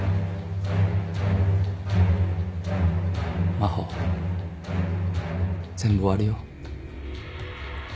真帆全部終わるよ。